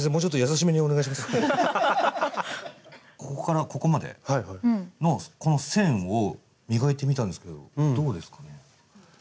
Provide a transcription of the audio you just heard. なんか多分ここからここまでのこの線を磨いてみたんですけどどうですかね？